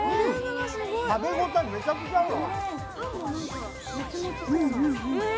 食べ応え、めちゃくちゃあるわ。